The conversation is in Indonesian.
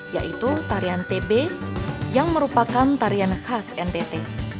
yaitu tarian tb yang merupakan tarian khas ntt